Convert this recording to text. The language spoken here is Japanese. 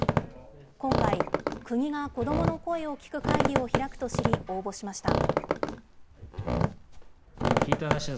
今回、国が子どもの声を聴く会議を開くと知り、応募しました。